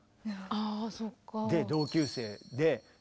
あそうか。